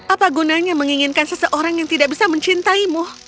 apa gunanya menginginkan seseorang yang tidak bisa mencintaimu